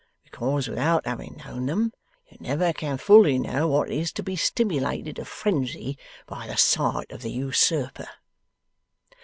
Because, without having known them, you never can fully know what it is to be stimilated to frenzy by the sight of the Usurper.